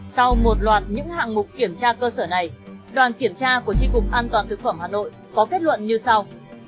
sau một loạt những hạng mục kiểm tra cơ sở này đoàn kiểm tra của tri cục an toàn thực phẩm hà nội có kết luận như sau